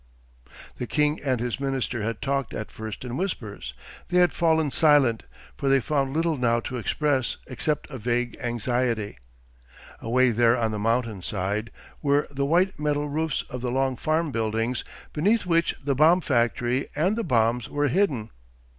The king and his minister had talked at first in whispers; they had fallen silent, for they found little now to express except a vague anxiety. Away there on the mountain side were the white metal roofs of the long farm buildings beneath which the bomb factory and the bombs were hidden.